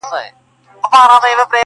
ځان ته مې په ځان کې خودازاره ورکه کړې ده